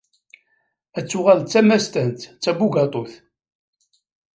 Ad tuɣaleḍ d tamastant, d tabugaṭut.